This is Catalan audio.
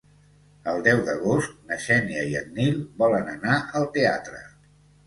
El deu d'agost na Xènia i en Nil volen anar al teatre.